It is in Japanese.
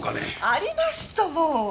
ありますとも！